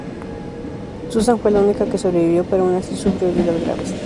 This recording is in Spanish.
Susan fue la única que sobrevivió, pero aun así sufrió heridas graves.